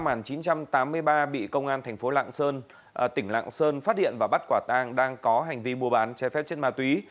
xuân bị công an thành phố lạng sơn tỉnh lạng sơn phát hiện và bắt quả tang đang có hành vi mua bán trái phép chất ma túy